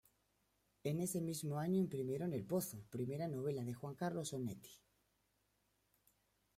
En ese mismo año imprimieron "El pozo", primera novela de Juan Carlos Onetti.